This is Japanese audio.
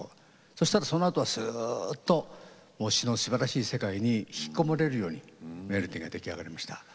そしたらそのあとはすっと詞のすばらしい世界に引き込まれるようにメロディーが出来上がりました。